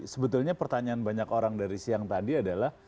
sebetulnya pertanyaan banyak orang dari siang tadi adalah